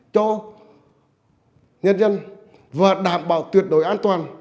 cho nhân dân và đảm bảo tuyệt đối an toàn